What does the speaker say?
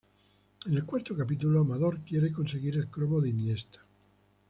En el cuarto capítulo, Amador quiere conseguir el cromo de Iniesta.